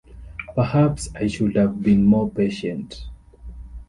Perhaps I should have been more patient.